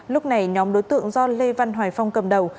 lúc này nhóm đối tượng do lê văn hoài phong cầm đầu